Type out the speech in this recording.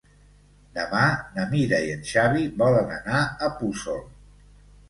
Demà na Mira i en Xavi volen anar a Puçol.